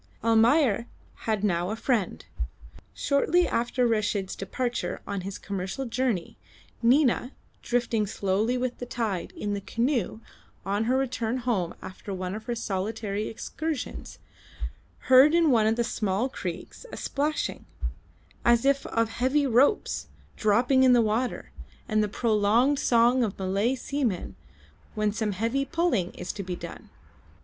Almayer had now a friend. Shortly after Reshid's departure on his commercial journey, Nina, drifting slowly with the tide in the canoe on her return home after one of her solitary excursions, heard in one of the small creeks a splashing, as if of heavy ropes dropping in the water, and the prolonged song of Malay seamen when some heavy pulling is to be done.